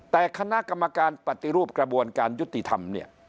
แต่คณะกรรมการปฏิรูปกระบวนการยุติธรรมเนี่ย